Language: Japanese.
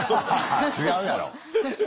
違うやろ！